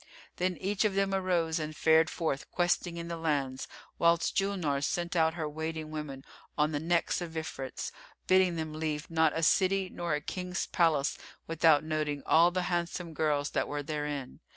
Then each of them arose and fared forth questing in the lands, whilst Julnar sent out her waiting women on the necks of Ifrits, bidding them leave not a city nor a King's palace without noting all the handsome girls that were therein.